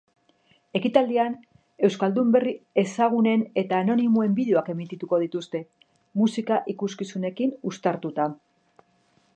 Ekitaldian euskaldun berri ezagunen eta anonimoen bideoak emititu dituzte, musika ikuskizunekin uztartuta.